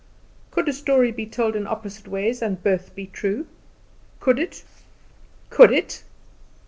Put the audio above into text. Could a story be told in opposite ways and both ways be true? Could it? could it?